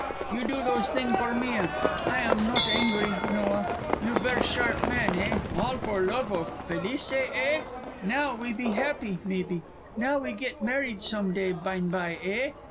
You do those thing' for me a. I am note angri, no a. You ver' sharp man, eh? All for love oaf Felice, eh? Now we be happi, maybe; now we git married soam day byne by, eh?